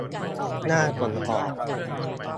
น่าสนออก